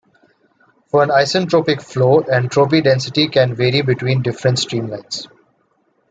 For an isentropic flow, entropy density can vary between different streamlines.